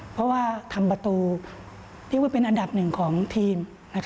เพราะว่าทำประตูเรียกว่าเป็นอันดับหนึ่งของทีม